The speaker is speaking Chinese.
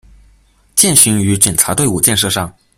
践行于检察队伍建设上